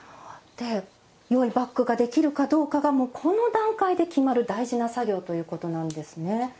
よいバッグができるかどうかがこの段階で決まる大事な作業ということなんですね。